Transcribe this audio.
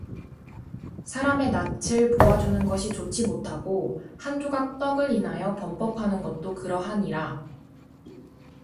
사람의 낯을 보아주는 것이 좋지 못하고 한 조각 떡을 인하여 범법하는 것도 그러하니라